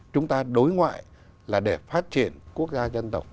chúng ta đối ngoại là để phát triển quốc gia dân tộc